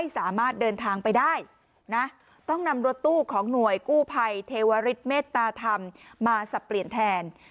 ไม่สามารถเดินทางไปได้นะต้องนำรถตู้ของหน่วยกู้ภัยเทวาริดเมตตาธาร์มาสับเปลี่ยนของนายกกล้าง